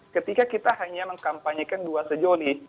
ketika kita hanya mengkampanyekan dua sejoli